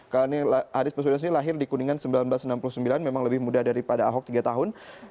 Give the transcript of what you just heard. karena anies baswedan lahir di kuningan seribu sembilan ratus enam puluh sembilan memang lebih muda daripada ahok tiga tahun